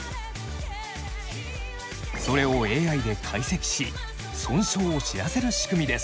それをＡＩで解析し損傷を知らせる仕組みです。